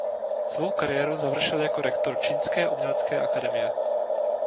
Svou kariéru završil jako rektor Čínské umělecké akademie.